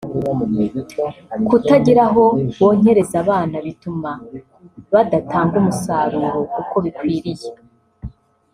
kutagira aho bonkereza abana bituma badatanga umusaruro uko bikwiriye